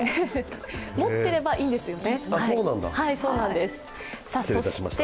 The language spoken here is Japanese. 持っていればいいんですよね。